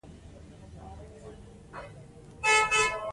هانا ارنټ وایي چې د حقایقو پټول د یو مستبد نظام لومړنۍ نښه ده.